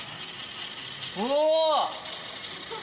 お！